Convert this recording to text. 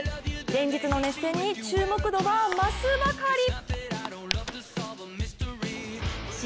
連日の熱戦に注目度は増すばかり。